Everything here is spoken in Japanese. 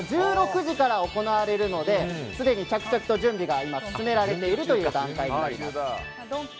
１６時から行われるのですでに着々と準備が今進められているという段階になります。